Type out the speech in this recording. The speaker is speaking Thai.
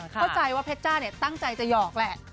เข้าใจว่าเพชรจ้าเนี่ยตั้งใจจะหยอกแหละ